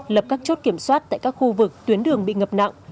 lập các chốt kiểm soát tại các khu vực tuyến đường bị ngập nặng